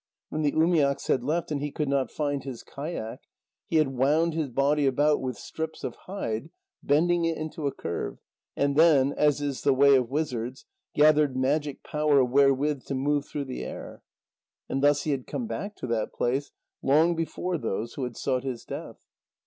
When the umiaks had left, and he could not find his kayak, he had wound his body about with strips of hide, bending it into a curve, and then, as is the way of wizards, gathered magic power wherewith to move through the air. And thus he had come back to that place, long before those who had sought his death.